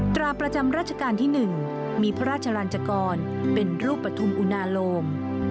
ตราประจำราชการที่๑มีพระราชลันจกรเป็นรูปปฐุมอุณาโลม